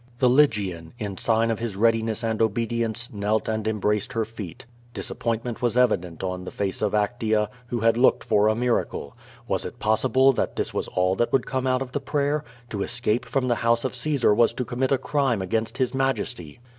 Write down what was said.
The Lygian, in sign of his readiness and obedience, knelt and embraced her feet. Disappointment was evident on the face of Actea, who had looked for a miracle. Was it possible that this was all that would come out of the prayer? To es cape from the house of Caesar was to commit a crime against his majesty.